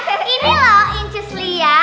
eh ini loh inci sli ya